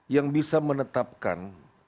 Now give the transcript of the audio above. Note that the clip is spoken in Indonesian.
yang bisa menetapkan